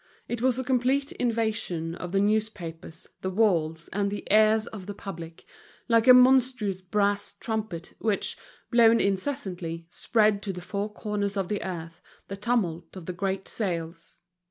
It was a complete invasion of the newspapers, the walls, and the ears of the public, like a monstrous brass trumpet, which, blown incessantly, spread to the four corners of the earth the tumult of the great sales.